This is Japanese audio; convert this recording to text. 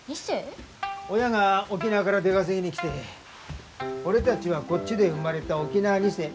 親が沖縄から出稼ぎに来て俺たちはこっちで生まれた沖縄二世。